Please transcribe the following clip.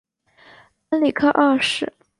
恩里克二世。